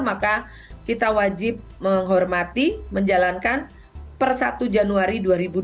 maka kita wajib menghormati menjalankan per satu januari dua ribu dua puluh